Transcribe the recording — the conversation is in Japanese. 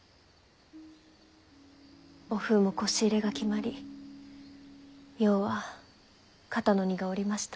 おふうもこし入れが決まり葉は肩の荷が下りました。